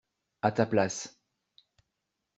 À ta place.